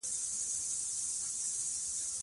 که کپتان زړور وي نو کښتۍ نه ډوبیږي.